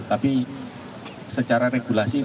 tapi secara regulasi